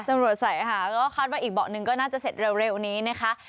ตำรวจใส่ค่ะก็คาดว่าอีกเบาะหนึ่งก็น่าจะเสร็จเร็วนี้นะคะ